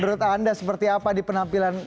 menurut anda seperti apa di penampilan